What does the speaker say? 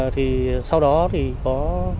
thì sau đó thì có